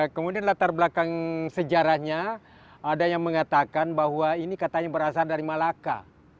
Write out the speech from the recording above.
kemudian latar belakang sejarahnya ada yang mengatakan bahwa ini katanya berasal dari malaka